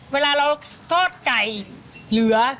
เวลาเราทอดไก่เหลือ